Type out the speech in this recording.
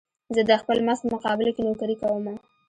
زه د خپل مزد په مقابل کې نوکري کومه.